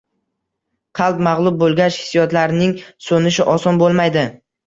Qalb mag`lub bo`lgach, hissiyotlarning so`nishi oson bo`lmaydi